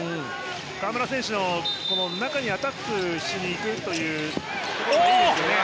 河村選手が中にアタックしに行くというのもいいですね。